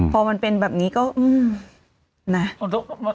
พอมันเป็นแบบนี้ก็นะ